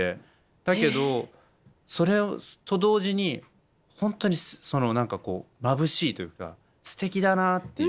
だけどそれと同時にホントにその何かこうまぶしいというかすてきだなっていう。